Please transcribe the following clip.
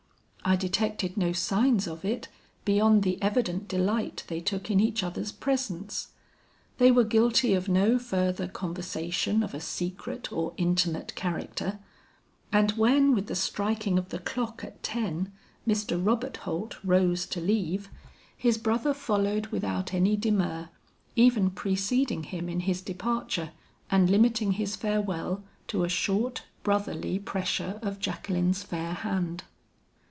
I detected no signs of it beyond the evident delight they took in each other's presence. They were guilty of no further conversation of a secret or intimate character, and when with the striking of the clock at ten, Mr. Robert Holt rose to leave, his brother followed without any demur, even preceding him in his departure and limiting his farewell to a short brotherly pressure of Jacqueline's fair hand.